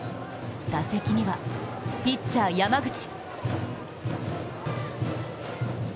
打席にはピッチャー・山口。